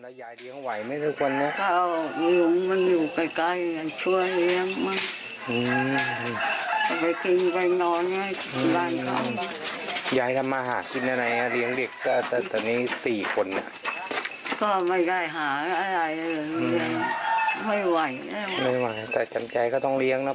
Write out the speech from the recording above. ๔คนน่ะก็ไม่ได้หาอะไรไม่ไหวไม่ไหวแต่จำใจก็ต้องเลี้ยงเนอะ